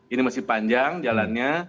ini masih panjang jalannya